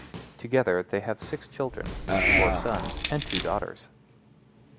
Together, they have six children; Four sons and two daughters.